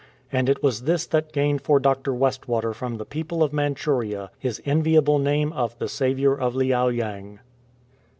^ And it was this that gained for Dr. West water from the people of Manchuria his enviable name of '' The Saviour of I.iao yang.""